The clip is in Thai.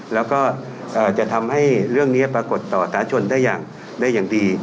แล้วก็เอ่อจะทำให้เรื่องเนี้ยปรากฏต่อสาชนได้อย่างได้อย่างดี